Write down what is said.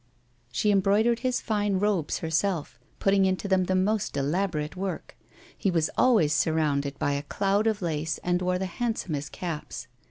She embroidered his fine robes herself, putting into them the most elaborate work ; he was always surrounded by a cloud of lace and wore the handsomest caps.